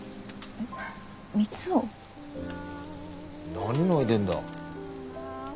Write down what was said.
何泣いでんだ。